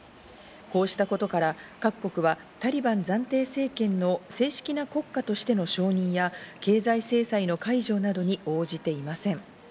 こうしたことから各国はタリバン暫定政権の正式な国家としての承認や経済制裁の解除などに応じていません。